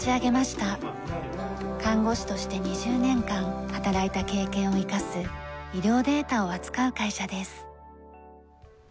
看護師として２０年間働いた経験を生かす医療データを扱う会社です。